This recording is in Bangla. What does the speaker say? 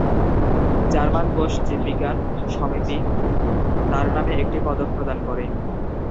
জার্মান কোষ জীববিজ্ঞান সমিতি তার নামে একটি পদক প্রদান করে।